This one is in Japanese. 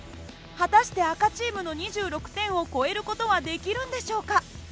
果たして赤チームの２６点を超える事はできるんでしょうか。